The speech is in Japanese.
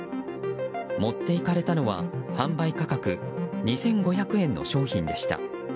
持っていかれたのは販売価格２５００円の商品です。